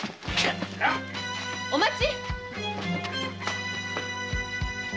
お待ち！